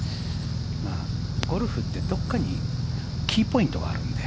ゴルフってどこかにキーポイントがあるので。